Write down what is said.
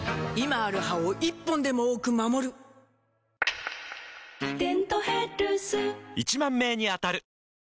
今ある歯を１本でも多く守る「デントヘルス」１０，０００名に当たる！